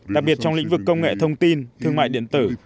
đặc biệt trong lĩnh vực công nghệ thông tin thương mại điện tử